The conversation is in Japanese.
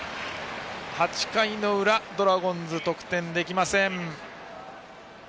８回の裏、ドラゴンズは得点できません。